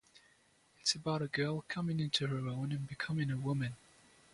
It's about a girl coming into her own and becoming a woman.